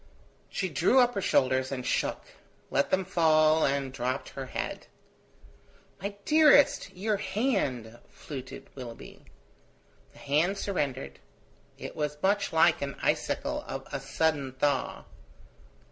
She drew up her shoulders and shook; let them fall and dropped her head. "My dearest! your hand!" fluted Willoughby. The hand surrendered; it was much like the icicle of a sudden thaw.